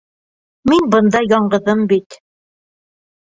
Мин бында яңғыҙым бит.